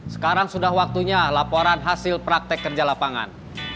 sekarang sudah waktunya laporan hasil praktek kerja lapangan